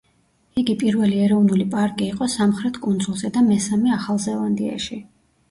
იგი პირველი ეროვნული პარკი იყო სამხრეთ კუნძულზე და მესამე ახალ ზელანდიაში.